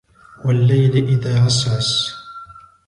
والليل إذا عسعس